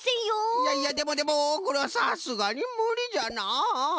いやいやでもでもこれはさすがにむりじゃな。